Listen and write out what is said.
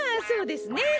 そうですね。